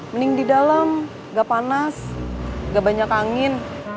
mending di dalam gak panas gak banyak angin